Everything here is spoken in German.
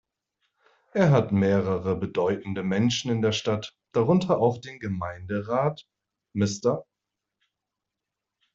Er hat mehrere bedeutende Menschen in der Stadt, darunter auch den Gemeinderat Mr.